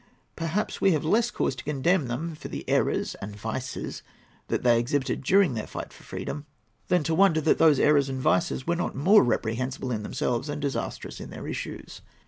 Perhaps we have less cause to condemn them for the errors and vices that they exhibited during their fight for freedom, than to wonder that those errors and vices were not more reprehensible in themselves and disastrous in their issues.